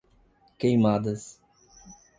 Queimadas